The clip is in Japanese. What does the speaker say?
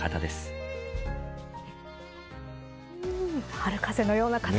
春風のような方